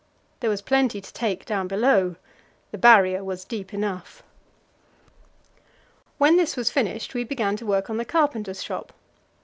There was plenty to take down below; the Barrier was deep enough. When this was finished, we began to work on the carpenter's shop.